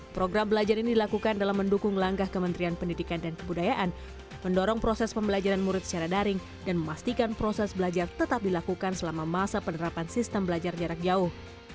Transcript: program belajar ini dilakukan dalam mendukung langkah kementerian pendidikan dan kebudayaan mendorong proses pembelajaran murid secara daring dan memastikan proses belajar tetap dilakukan selama masa penerapan sistem belajar jarak jauh